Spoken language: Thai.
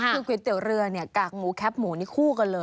คือก๋วยเตี๋ยวเรือเนี่ยกากหมูแป๊บหมูนี่คู่กันเลย